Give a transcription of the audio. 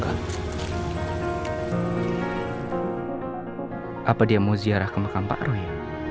apa dia mau ziarah ke mekang pak ruy